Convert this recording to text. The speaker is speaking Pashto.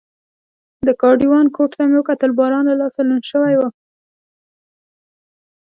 د ګاډیوان کوټ ته مې وکتل، باران له لاسه لوند شوی و.